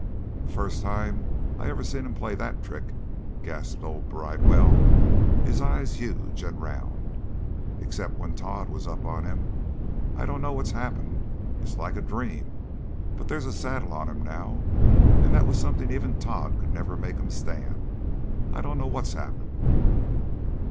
"The first time I ever seen him play that trick," gasped old Bridewell, his eyes huge and round, "except when Tod was up on him. I dunno what's happened. It's like a dream. But there's a saddle on him now, and that was something even Tod could never make him stand. I dunno what's happened!"